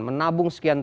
menabung sekian lama